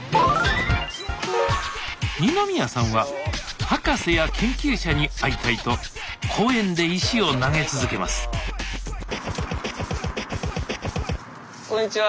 二宮さんは博士や研究者に会いたいと公園で石を投げ続けますこんにちは。